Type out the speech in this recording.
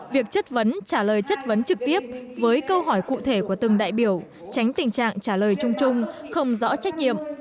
việc chất vấn trả lời chất vấn trực tiếp với câu hỏi cụ thể của từng đại biểu tránh tình trạng trả lời chung chung không rõ trách nhiệm